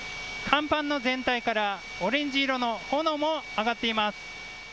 甲板の全体からオレンジ色の炎も上がっています。